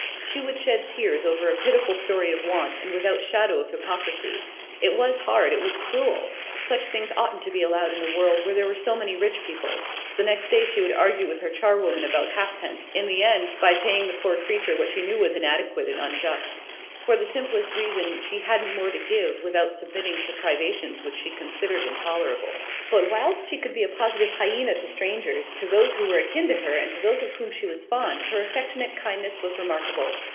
She would shed tears over a pitiful story of want, and without shadow of hypocrisy. It was hard, it was cruel; such things oughtn't to be allowed in a world where there were so many rich people. The next day she would argue with her charwoman about halfpence, and end by paying the poor creature what she knew was inadequate and unjust. For the simplest reason: she hadn't more to give, without submitting to privations which she considered intolerable. But whilst she could be a positive hyena to strangers, to those who were akin to her, and those of whom she was fond, her affectionate kindness was remarkable.